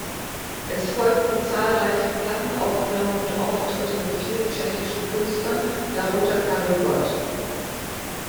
Es folgten zahlreiche Plattenaufnahmen und Auftritte mit vielen tschechischen Künstlern, darunter Karel Gott.